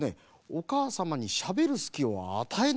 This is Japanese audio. おかあさまにしゃべるすきをあたえない。